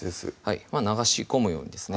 流し込むようにですね